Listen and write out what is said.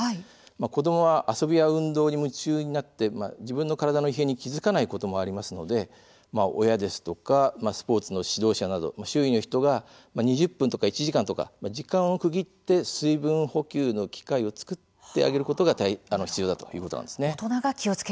子どもは遊びや運動に夢中になって自分の体の異変に気付かないことがあるので親ですとかスポーツの指導者など周囲の人が２０分とか１時間とか時間を区切って水分補給の機会を作ってあげることが必要だということです。